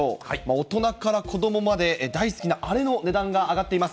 大人から子どもまで、大好きなあれの値段が上がっています。